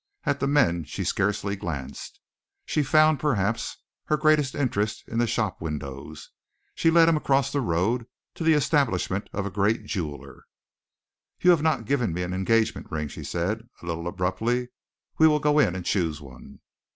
At the men she scarcely glanced. She found, perhaps, her greatest interest in the shop windows. She led him across the road to the establishment of a great jeweller. "You have not given me an engagement ring," she said, a little abruptly. "We will go in and choose one."